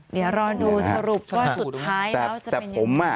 เดี๋ยวรอดูสรุปหมายความพิษแล้วส่วนสุข